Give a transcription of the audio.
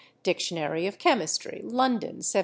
("Dictionary of Chemistry," London, 1795.)